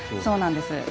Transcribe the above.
そうなんです。